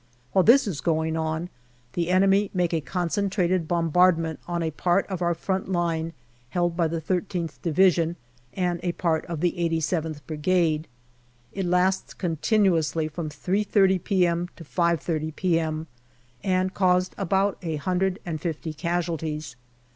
While this is going on the enemy make a concentrated bombardment on a part of our front line held by the I3th Division and a part of the 87th Brigade. It lasted continuously from 3.30 p.m. to 5.30 p.m., and caused about a hundred and fifty casualties.